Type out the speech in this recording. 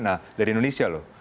nah dari indonesia loh